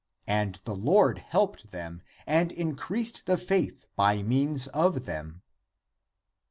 And the Lord helped them and increased the faith by means of them.